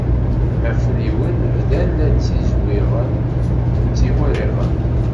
Afriwen bdan la ttizwiɣen, ttiwriɣen.